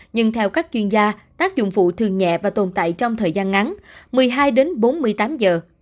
nhưng theo các chuyên gia tác dụng phụ thường nhẹ và tồn tại trong thời gian ngắn một mươi hai đến bốn mươi tám giờ